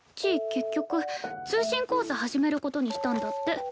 結局通信講座始める事にしたんだって。